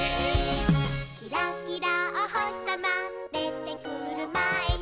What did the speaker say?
「キラキラおほしさまでてくるまえに」